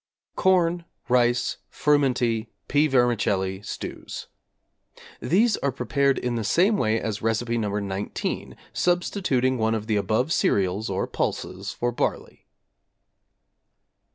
=Corn, Rice, Frumenty, Pea Vermicelli Stews= These are prepared in the same way as Recipe No. 19, substituting one of the above cereals or pulses for barley.